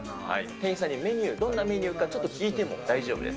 店員さんにどんなメニューかちょっと聞いても大丈夫です。